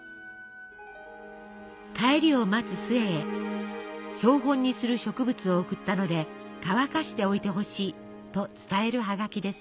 帰りを待つ壽衛へ「標本にする植物を送ったので乾かしておいてほしい」と伝えるハガキです。